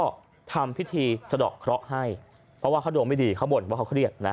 แล้วก็ทำพิษธีสะดอกเคราะเห้าให้เพราะว่าเค้ารวมไม่ดีเค้าบ่นเพราะเขาเครียกนะฮะ